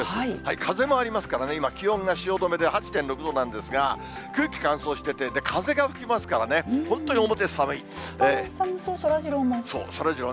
風もありますからね、今、気温が汐留で８．６度なんですが、空気乾燥してて、風が吹きますか寒そう、そらジローも。